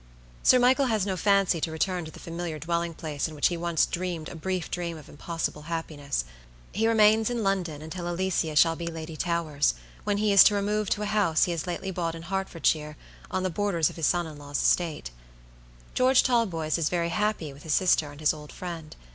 Sir Michael has no fancy to return to the familiar dwelling place in which he once dreamed a brief dream of impossible happiness. He remains in London until Alicia shall be Lady Towers, when he is to remove to a house he has lately bought in Hertfordshire, on the borders of his son in law's estate. George Talboys is very happy with his sister and his old friend.